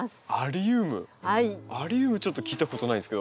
アリウムちょっと聞いたことないんですけど。